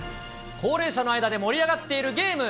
高齢者の間で盛り上がっているゲーム。